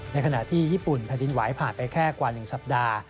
ในขณะที่ญี่ปุ่นแผ่นดินไหวผ่านไปแค่กว่า๑สัปดาห์